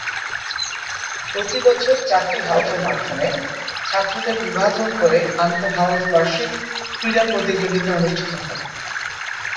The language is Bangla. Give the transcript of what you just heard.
প্রতি বছর চারটি হাউজের মাধ্যমে ছাত্রীদের বিভাজন করে আন্তঃহাউজ বার্ষিক ক্রীড়া প্রতিযোগিতা অনুষ্ঠিত হয়।